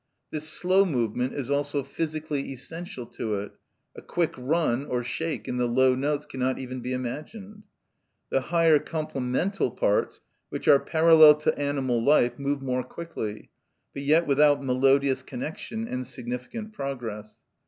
This slow movement is also physically essential to it; a quick run or shake in the low notes cannot even be imagined. The higher complemental parts, which are parallel to animal life, move more quickly, but yet without melodious connection and significant progress.